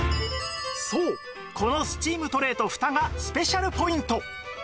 そうこのスチームトレーとフタがスペシャルポイント